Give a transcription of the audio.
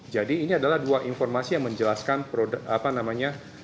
jadi ini adalah dua informasi yang menjelaskan produk apa namanya